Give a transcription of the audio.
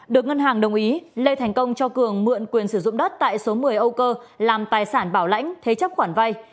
được ngân hàng đồng ý lê thành công cho cường mượn quyền sử dụng đất tại số một mươi âu cơ làm tài sản bảo lãnh thế chấp khoản vay